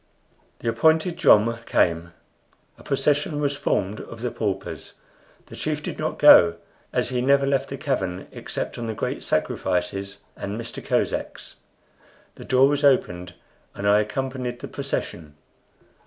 The appointed jom came. A procession was formed of the paupers. The chief did not go, as he never left the cavern except on the great sacrifices and Mista Koseks. The door was opened, and I accompanied the procession.